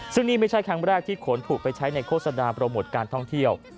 ซึ่งนี่ไม่ใช่ครั้งแรกที่ขนถูกไปใช้ในโฆษณาโปรโมทการท่องเที่ยว